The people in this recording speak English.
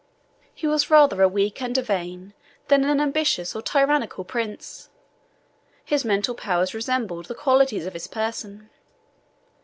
He was rather a weak and a vain than an ambitious or tyrannical prince. His mental powers resembled the qualities of his person.